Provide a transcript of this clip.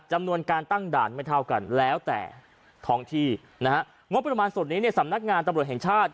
จำนวนการตั้งด่านไม่เท่ากันแล้วแต่ท้องที่นะฮะงบประมาณส่วนนี้เนี่ยสำนักงานตำรวจแห่งชาติ